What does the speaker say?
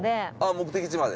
目的地まで？